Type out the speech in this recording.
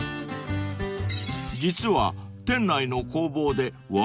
［実は］